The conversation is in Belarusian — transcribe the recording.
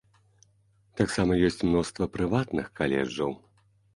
Таксама ёсць мноства прыватных каледжаў.